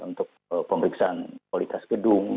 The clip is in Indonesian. untuk pemeriksaan kualitas gedung